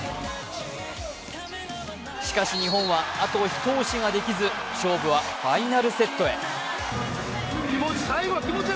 しかし、日本はあと一押しができず勝負はファイナルセットへ。